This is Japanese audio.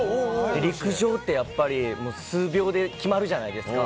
陸上ってやっぱり数秒で決まるじゃないですか。